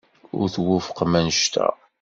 Ur twufqemt anect-a?